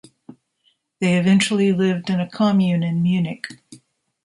They eventually lived in a commune in Munich.